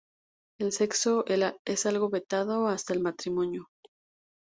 El sexo es algo vetado hasta el matrimonio.